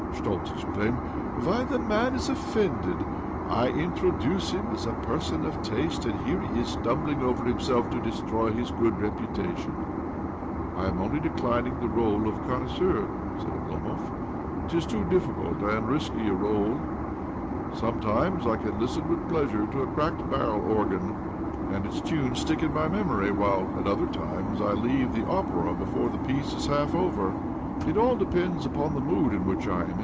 Schtoltz exclaimed. "Why, the man is offended I I introduce him as a person of taste, and here is he stumbling Over himself to destroy his good reputation I "' 1 am only .declining the r61e of connois seur," said Oblomov. ' 'Tis too difficult and I70 OBLOMOV risky a r61e. Sometimes I can listen with pleasure to a cracked barrel organ, and its tunes stick in my memory ; while at other times I leave the Opera before the piece is half over. It all depends upon the mood in which I am.